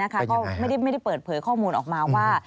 ก็ไม่ได้เปิดเผยข้อมูลออกมาว่า